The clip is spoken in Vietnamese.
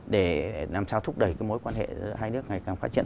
để làm sao thúc đẩy cái mối quan hệ giữa hai nước ngày càng phát triển